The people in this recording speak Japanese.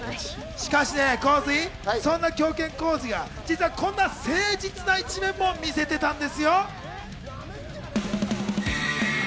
しかし浩次、そんな狂犬・浩次が実はこんな誠実な一面も見せていたんですよ。